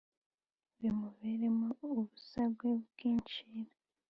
bimuberemo ubusagwe bw’incira